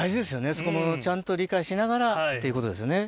そこのちゃんと理解しながらっていうことですよね。